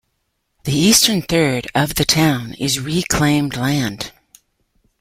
The eastern third of the town is reclaimed land.